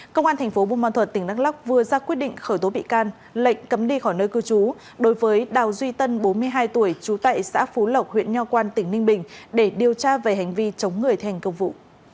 công an thành phố bù man thuật tỉnh đắk lóc vừa ra quyết định khởi tố bị can lệnh cấm đi khỏi nơi cư trú đối với đào duy tân bốn mươi hai tuổi trú tại xã phú lộc huyện nho quan tỉnh ninh bình để điều tra về hành vi chống người thi hành công vụ